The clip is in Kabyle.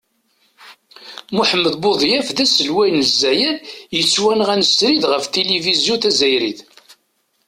Muḥemmed Buḍyaf d aselway n lezzayer yettwanɣan srid ɣef tilivizyu tazzayrit.